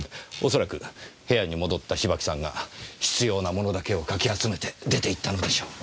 恐らく部屋に戻った芝木さんが必要なものだけをかき集めて出て行ったのでしょう。